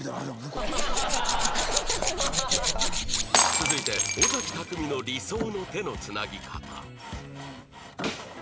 続いて尾崎匠海の理想の手のつなぎ方